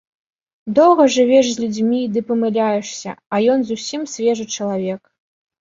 Доўга жывеш з людзьмі ды памыляешся, а ён зусім свежы чалавек.